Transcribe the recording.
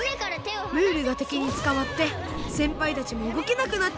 ムールがてきにつかまってせんぱいたちもうごけなくなっちゃった！